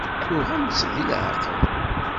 Tuɣem-tt deg leɛqel?